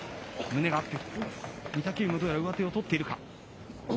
胸が合って、御嶽海もどうやら上手を取っているか。